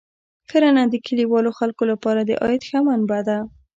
کرنه د کلیوالو خلکو لپاره د عاید ښه منبع ده.